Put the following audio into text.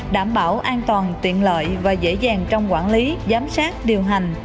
đảm bảo an toàn tiện lợi và dễ dàng trong quản lý giám sát điều hành